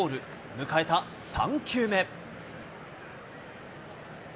迎えた３球目。